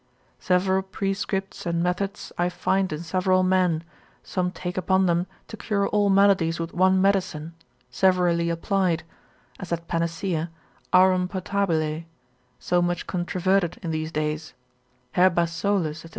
Several prescripts and methods I find in several men, some take upon them to cure all maladies with one medicine, severally applied, as that panacea, aurum potabile, so much controverted in these days, herba solis, &c.